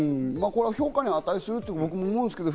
評価に値すると僕、思うんですけど。